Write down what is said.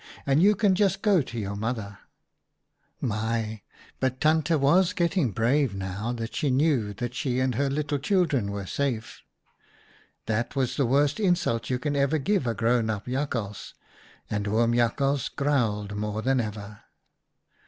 ' And you can just go to your mother !'" My ! but Tante was getting brave now i2 4 OUTA KAREL'S STORIES that she knew she and her little children were safe. That was the worst insult you can ever give a grown up jakhals, and Oom Jakhals growled more than ever.